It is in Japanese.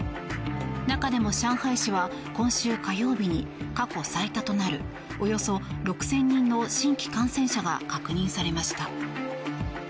中でも上海市は、今週火曜日に過去最多となるおよそ６０００人の新規感染者が確認されました。